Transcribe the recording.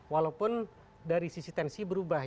walaupun dari sisi tensi berubah